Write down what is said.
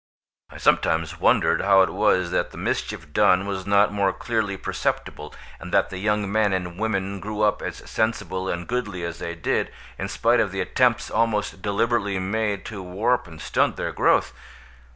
I sometimes wondered how it was that the mischief done was not more clearly perceptible, and that the young men and women grew up as sensible and goodly as they did, in spite of the attempts almost deliberately made to warp and stunt their growth.